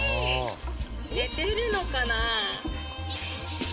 寝てるのかな？